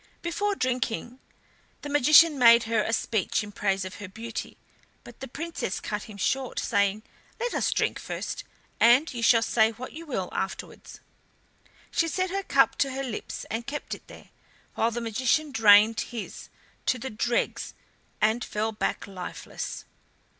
Before drinking the magician made her a speech in praise of her beauty, but the Princess cut him short, saying: "Let us drink first, and you shall say what you will afterwards." She set her cup to her lips and kept it there, while the magician drained his to the dregs and fell back lifeless.